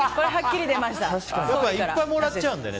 いっぱいもらっちゃうのでね